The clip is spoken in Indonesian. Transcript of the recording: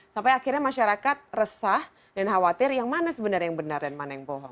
sampai akhirnya masyarakat resah dan khawatir yang mana sebenarnya yang benar dan mana yang bohong